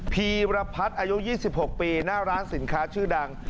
พีรพัฒน์อายุ๒๖ปีหน้าร้านสินค้าชื่อดัง